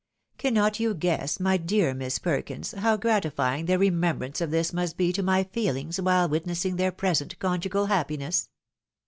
Cannot you guess, my dear Miss Perkins, how gratifying the remem Ijrance of this must be to my feelings while witnessing their present conjugal happiness